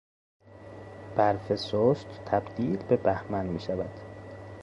برف سست تبدیل به بهمن میشود.